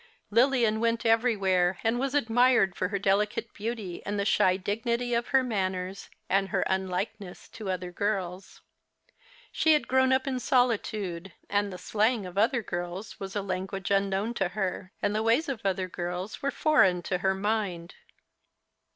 Lilian w^ent everywhere, and was admired for her delicate beauty and the shy dignity of her manners, and her unlikeness to other girls. She had grown up in solitude, and the slang of other girls was a language unknown to her, and the wavs of other girls were Thk Christmas Hirelings. Q7 foreign to her mind.